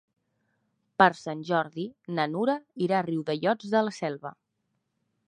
Per Sant Jordi na Nura irà a Riudellots de la Selva.